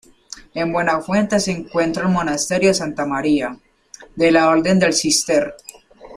En Buenafuente se encuentra el monasterio de Santa María, de la Orden del Císter.